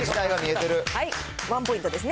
ワンポイントですね。